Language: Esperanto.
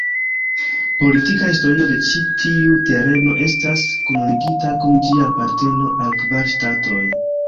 Politika historio de ĉi tiu tereno estas kunligita kun ĝia aparteno al kvar ŝtatoj.